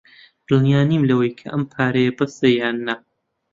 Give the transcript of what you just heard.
دڵنیا نیم لەوەی کە ئەم پارەیە بەسە یان نا.